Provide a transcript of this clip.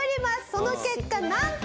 その結果なんと。